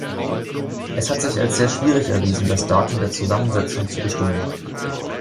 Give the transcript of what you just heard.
Es hat sich als sehr schwierig erwiesen, das Datum der Zusammensetzung zu bestimmen.